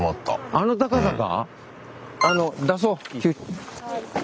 あの高さか。